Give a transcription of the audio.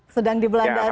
sedang di belanda saat ini